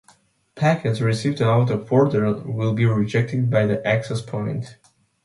Packets received out of order will be rejected by the access point.